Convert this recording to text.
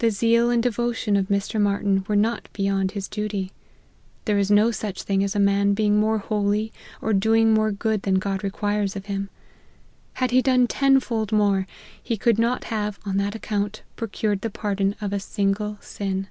The zeal and devotion of Mr. Martyn were not beyond his duty. There is no such thing as a man being more holy, or doing more good than God re quires of him. Had he done tenfold more, he could not have, on that account, procured the pardon of a single sin.